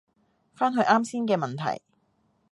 返去啱先嘅問題